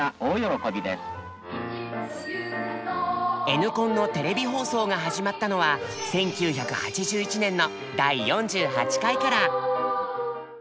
Ｎコンのテレビ放送が始まったのは１９８１年の第４８回から。